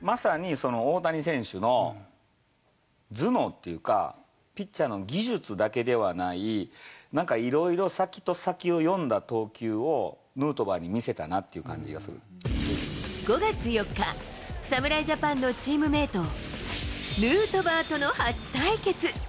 まさに大谷選手の頭脳っていうか、ピッチャーの技術だけではない、なんかいろいろ先と先を読んだ投球を、ヌートバーに見せたなって５月４日、侍ジャパンのチームメート、ヌートバーとの初対決。